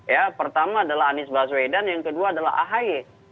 ya pertama adalah anies baswedan yang kedua adalah ahy